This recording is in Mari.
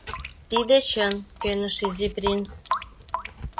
— Тидыже чын, — кӧныш Изи принц.